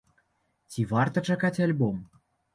Ці варта чакаць альбом?